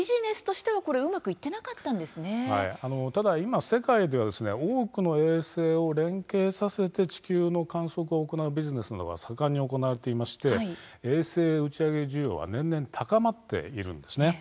ただ、今、世界では多くの衛星を連携させて地球の観測を行うビジネスなどが盛んに行われていまして衛星打ち上げ需要は年々高まっているんです。